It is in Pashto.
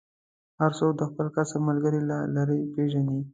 هر څوک د خپل کسب ملګری له لرې پېژني.